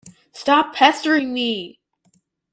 Stop pestering me!